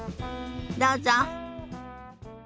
どうぞ。